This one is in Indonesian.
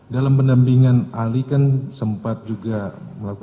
dalam pendampingan ali kan sempat juga melakukan